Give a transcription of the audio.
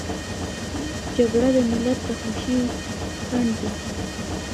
جګړه د ملت د خوښۍ خنډ ده